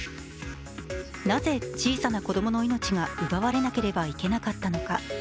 なぜ、小さな子供の命が奪われなければいけなかったのか。